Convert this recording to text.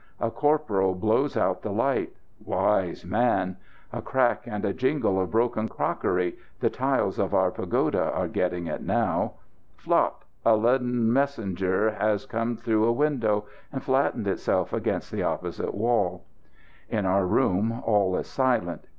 A corporal blows out the light; wise man! A crack and a jingle of broken crockery the tiles of our pagoda are getting it now. Flop! a leaden messenger has come through a window, and flattened itself against the opposite wall. In our room all is silent.